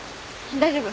大丈夫。